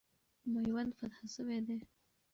میوند فتح سوی دی.